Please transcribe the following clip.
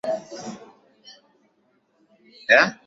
mwezi aprili baada ya kumshinda mhasimu wake